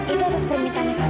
itu atas permintaan kak fadil